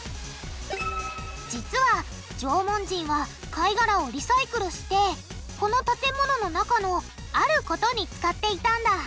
実は縄文人は貝がらをリサイクルしてこの建物の中のあることに使っていたんだ。